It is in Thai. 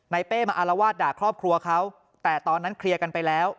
เป้มาอารวาสด่าครอบครัวเขาแต่ตอนนั้นเคลียร์กันไปแล้ว